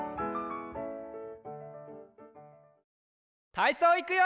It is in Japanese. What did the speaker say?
たいそういくよ！